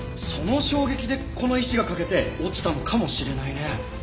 その衝撃でこの石が欠けて落ちたのかもしれないね。